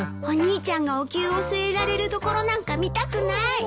お兄ちゃんがおきゅうを据えられるところなんか見たくない。